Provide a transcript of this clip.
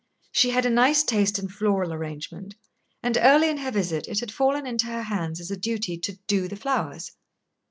She had a nice taste in floral arrangement, and early in her visit it had fallen into her hands as a duty to "do" the flowers.